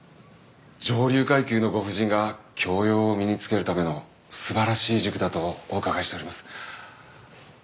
上流階級のご婦人が教養を身につけるための素晴らしい塾だとお伺いしております。